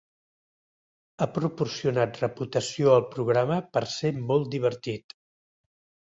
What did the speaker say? Ha proporcionat reputació al programa per ser molt divertit.